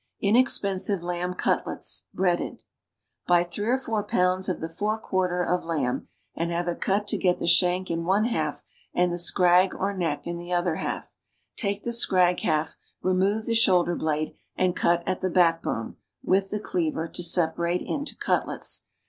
INEXPENSIVE LAMB CUTLETS, BREADED Buy three or four pounds of the forequarter of lamb, and have it cut to get the shank in one half and the scrag or neck in the other half; take the scrag half, remove the shoulder blade, and cut at the backbone (with the cleaver) to separate into cutlets.